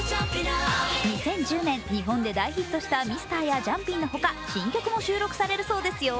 ２０１０年日本で大ヒットした「ジャンピン」や「ミスター」のほか新曲も収録されるそうですよ。